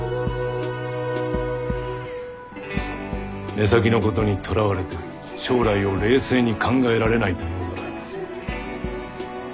目先のことにとらわれて将来を冷静に考えられないというなら。